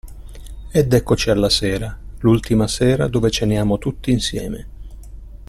Ed eccoci alla sera, l'ultima sera dove ceniamo tutti insieme.